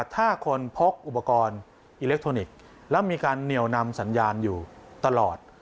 ถ้าคนพกอุปกรณ์อิเล็กทรอนิกส์แล้วมีการเหนียวนำสัญญาณอยู่ตลอด